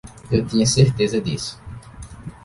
Eu tinha certeza disso.